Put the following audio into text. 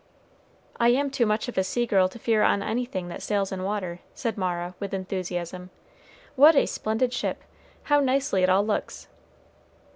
"I am too much of a sea girl to fear on anything that sails in water," said Mara with enthusiasm. "What a splendid ship! how nicely it all looks!"